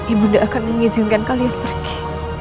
ibunda akan mengizinkan kalian pergi